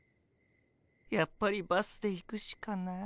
やっぱりバスで行くしかない。